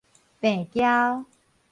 病嬌